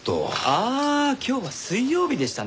ああ今日は水曜日でしたね。